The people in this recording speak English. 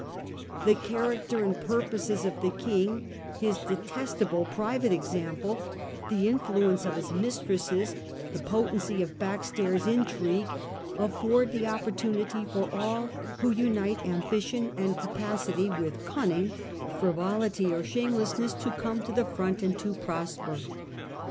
The character and purposes of the King, his detestable private example, the influence of his mistresses, the potency of back stairs intrigue, afford the opportunity for all who unite ambition and capacity with cunning, frivolity, or shamelessness, to come to the front and to prosper.